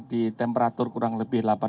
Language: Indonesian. di temperatur kurang lebih delapan ratus